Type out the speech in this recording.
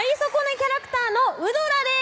キャラクターのウドラです